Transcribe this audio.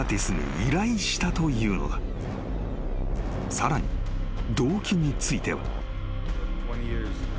［さらに動機については］